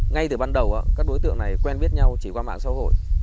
ngay từ ban đầu các đối tượng này quen biết nhau chỉ qua mạng xã hội